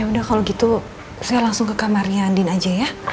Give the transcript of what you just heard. ya udah kalau gitu saya langsung ke kamarnya andin aja ya